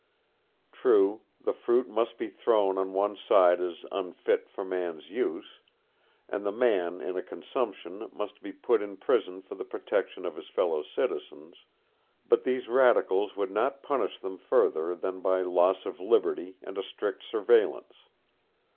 True, the fruit must be thrown on one side as unfit for man's use, and the man in a consumption must be put in prison for the protection of his fellow citizens; but these radicals would not punish him further than by loss of liberty and a strict surveillance.